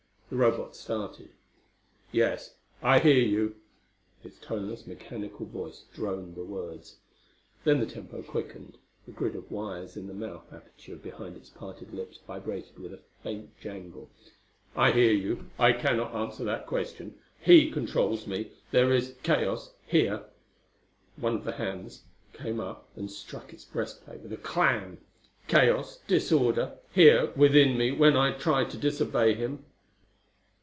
The Robot started. "Yes, I hear you." Its toneless, mechanical voice droned the words. Then the tempo quickened; the grid of wires in the mouth aperture behind its parted lips vibrated with a faint jangle. "I hear you. I cannot answer that question. He controls me. There is chaos here," one of the hands came up and struck its breastplate with a clang "chaos, disorder, here within me when I try to disobey him."